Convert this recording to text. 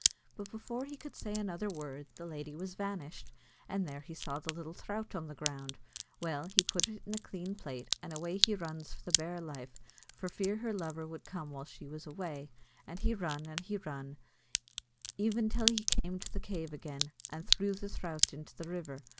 But before he could say another word, the lady was vanished, and there he saw the little throut an the ground. Well he put it in a clean plate, and away he runs for the bare life, for fear her lover would come while she was away; and he run, and he run, even till he came to the cave agin, and threw the throut into the river.